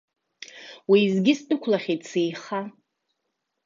Уеизгьы сдәықәлахьеит сеиха.